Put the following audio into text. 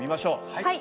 はい。